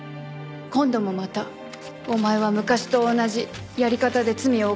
「今度もまたお前は昔と同じやり方で罪を犯した」